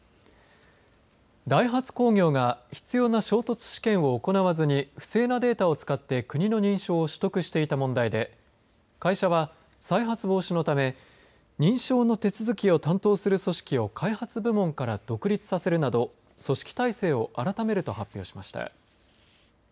ダイハツ工業が必要な衝突試験を行わずに不正なデータを使って国の認証を取得していた問題で会社は再発防止のため認証の手続きを担当する組織を開発部門から独立させるなど組織体制を改めると発表しました。